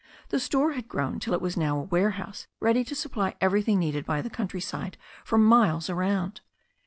The store had grown till it was now a warehouse, ready to sup ply everything needed by the country side for miles around.